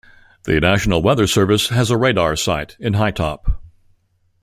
The National Weather Service has a radar site in Hytop.